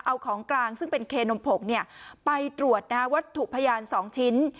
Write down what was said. เอาของกลางซึ่งเป็นเคนมผงเนี่ยไปตรวจนะฮะวัตถุพยานสองชิ้น